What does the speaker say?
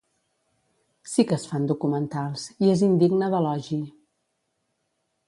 Sí que es fan documentals, i és indigne d'elogi.